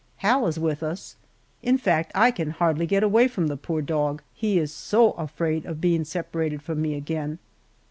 Hal is with us in fact, I can hardly get away from the poor dog, he is so afraid of being separated from me again.